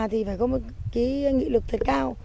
thì phải có một nghị lực thật cao